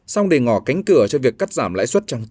xong để ngỏ cánh cửa cho việc cắt giảm